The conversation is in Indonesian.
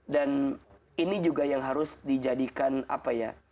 ini juga yang harus dijadikan apa ya